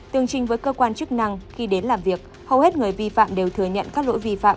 tương trình với cơ quan chức năng khi đến làm việc hầu hết người vi phạm đều thừa nhận các lỗi vi phạm